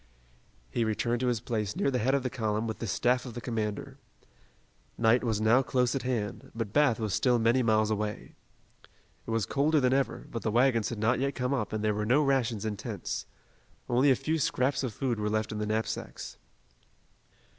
He returned to his place near the head of the column with the staff of the commander. Night was now close at hand, but Bath was still many miles away. It was colder than ever, but the wagons had not yet come up and there were no rations and tents. Only a few scraps of food were left in the knapsacks.